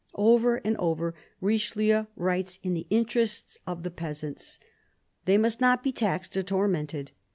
Over and over again Richelieu writes in the interest of the peasants ; they must not be taxed or tormented.